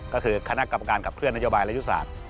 ก็คือคณะกรรมการขับเคลื่อนนโยบายและยุทธศาสตร์